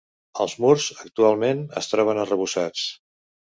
Els murs, actualment, es troben arrebossats.